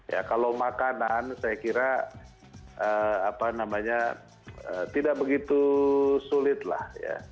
ya kalau makanan saya kira apa namanya tidak begitu sulit lah